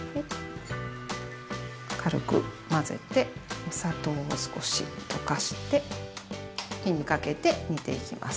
軽く混ぜてお砂糖を少し溶かして火にかけて煮ていきます。